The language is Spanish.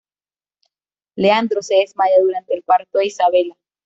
Leandro se desmaya durante el parto de Isabela.